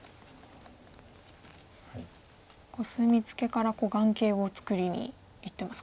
コスミツケから眼形を作りにいってますか。